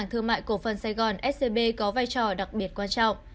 thương mại cổ phần sài gòn scb có vai trò đặc biệt quan trọng